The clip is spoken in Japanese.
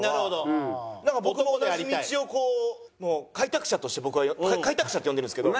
僕も同じ道をこう開拓者として僕は開拓者って呼んでるんですけど。